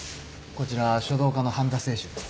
こちら書道家の半田清舟です。